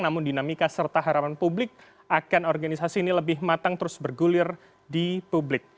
namun dinamika serta harapan publik akan organisasi ini lebih matang terus bergulir di publik